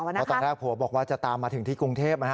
เพราะตอนแรกผัวบอกว่าจะตามมาถึงที่กรุงเทพ